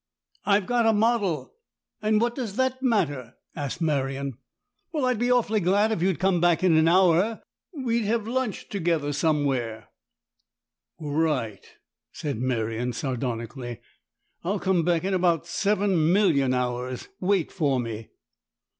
" I've got a model." " And what does that matter ?" asked Merion. 154 STORIES IN GREY " Well, I'd be awfully glad if you'd come back in an hour. We'd have lunch together somewhere." " Right," said Merion, sardonically. " I'll come back in about seven million hours. Wait for me."